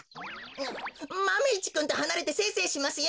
マメ１くんとはなれてせいせいしますよ！